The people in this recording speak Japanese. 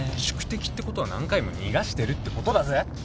宿敵ってことは何回も逃がしてるってことだぜ。